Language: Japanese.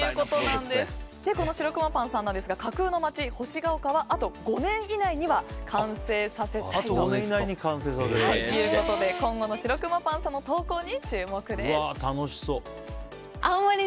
しろくまパンさんですが架空の街・星ヶ丘はあと５年以内には完成させるということで今後のしろくまパンさんの投稿に注目です。